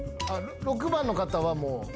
６番の方は、もう。